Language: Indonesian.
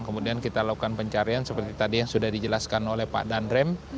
kemudian kita lakukan pencarian seperti tadi yang sudah dijelaskan oleh pak dandrem